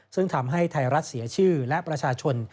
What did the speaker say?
ซึ่งทำให้ไทยรัฐเสียชื่อและประชาชน